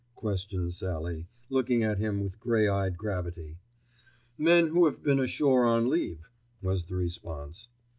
questioned Sallie, looking at him with grey eyed gravity. "Men who have been ashore on leave," was the response.